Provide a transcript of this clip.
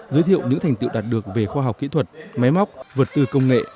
giới thiệu những thành tiệu đạt được về khoa học kỹ thuật máy móc vật tư công nghệ